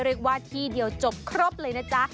เรียกว่าที่เดียวจบครบเลยนะจ๊ะ